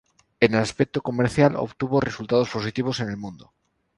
En el aspecto comercial, obtuvo resultados positivos en el mundo.